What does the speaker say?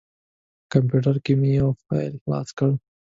کمپیوټر کې مې یو فایل خلاص کړ.